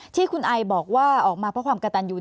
ที่คุณไอบอกว่าออกมาเพราะความกระตันยู